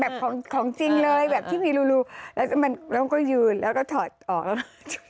ของของจริงเลยแบบที่มีรูแล้วมันก็ยืนแล้วก็ถอดออกแล้ว